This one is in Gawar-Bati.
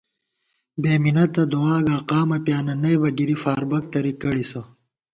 بےمِنَتہ دُعا گا قامہ پیانہ نئیبہ گِری فاربَک تری کڑِسہ